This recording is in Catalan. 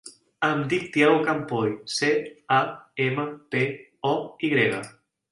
Em dic Tiago Campoy: ce, a, ema, pe, o, i grega.